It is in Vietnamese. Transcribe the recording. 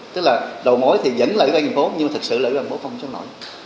tức là đầu mối thì vẫn lợi cho thành phố nhưng mà thật sự là ủy ban phố không xót nổi